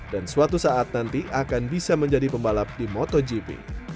dan suatu saat nanti akan bisa menjadi pembalap di motogp